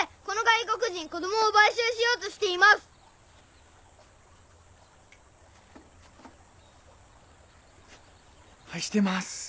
この外国人子供を買収しようとしています。